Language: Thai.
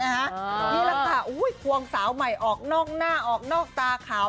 นี่แหละค่ะควงสาวใหม่ออกนอกหน้าออกนอกตาขาว